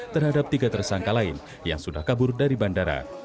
terhadap tiga tersangka lain yang sudah kabur dari bandara